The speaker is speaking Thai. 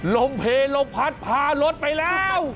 ลมเพลลมพัดพารถไปแล้ว